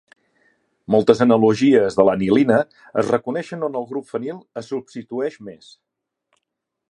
Moltes analogies de l'anilina es reconeixen on el grup fenil es substitueix més.